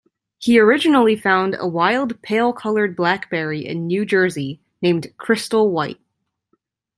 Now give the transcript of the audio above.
He originally found a wild pale coloured blackberry in New Jersey, named 'Crystal White'.